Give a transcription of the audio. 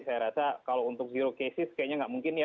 saya rasa kalau untuk zero cases kayaknya nggak mungkin ya